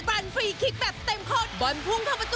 ปั่นฟรีคิกแบบเต็มข้น